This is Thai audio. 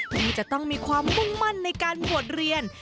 ที่จะต้องมีความมุ่งมั่นในการบวชเรียน